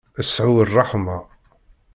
Sɛu ṛṛeḥma.